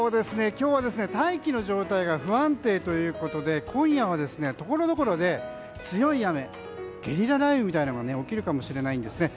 今日は大気の状態が不安定ということで今夜はところどころで強い雨ゲリラ雷雨みたいなものが起きるかもしれないんですね。